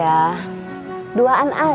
akang mau makan sekarang